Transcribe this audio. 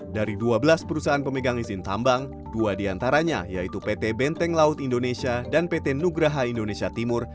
dari dua belas perusahaan pemegang izin tambang dua diantaranya yaitu pt benteng laut indonesia dan pt nugraha indonesia timur